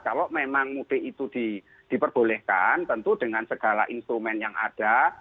kalau memang mudik itu diperbolehkan tentu dengan segala instrumen yang ada